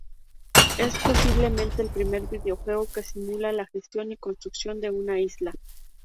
Es posiblemente el primer videojuego que simula la gestión y construcción de una isla.